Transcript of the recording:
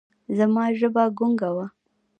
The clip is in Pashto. زما ژبه ګونګه وه ـ